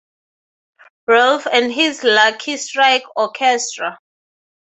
Rolfe and his Lucky Strike Orchestra.